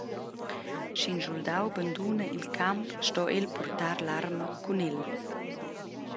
Sch’in schuldau banduna il camp sto el purtar l’arma cun el.